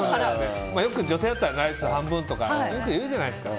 よく女性だったらライス半分とかってよく言うじゃないですか。